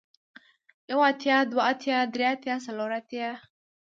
يو اتيا دوه اتيا درې اتيا څلور اتيا